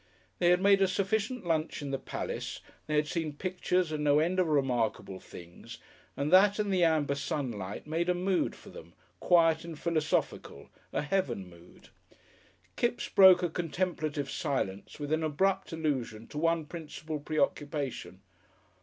They had made a sufficient lunch in the palace, they had seen pictures and no end of remarkable things, and that and the amber sunlight made a mood for them, quiet and philosophical, a heaven mood. Kipps broke a contemplative silence with an abrupt illusion to one principal preoccupation.